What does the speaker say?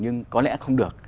nhưng có lẽ không được